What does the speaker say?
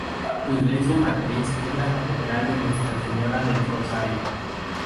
Su iglesia matriz es la catedral de Nuestra Señora del Rosario.